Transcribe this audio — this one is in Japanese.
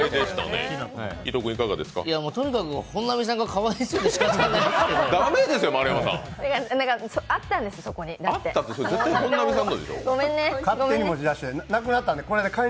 とにかく本並さんがかわいそうで仕方がない。